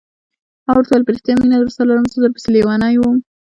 ما ورته وویل: په رښتیا مینه درسره لرم، زه در پسې لیونی وم.